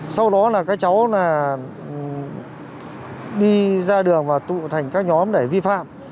sau đó là các cháu đi ra đường và tụ thành các nhóm để vi phạm